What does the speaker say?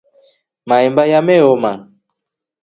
Mahemba yameoma.